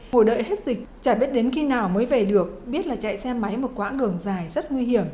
mùa đợi hết dịch chả biết đến khi nào mới về được biết là chạy xe máy một quãng đường dài rất nguy hiểm